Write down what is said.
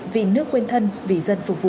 vì nước quên thân vì dân phục vụ